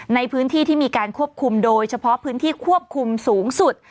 ในพื้นที่ที่มีการควบคุมโดยเฉพาะพื้นที่ควบคุมสูงสุด